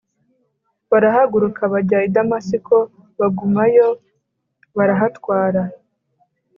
barahaguruka bajya i Damasiko, bagumayo barahatwara